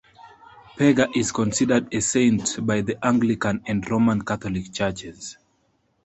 Pega is considered a saint by the Anglican and Roman Catholic churches.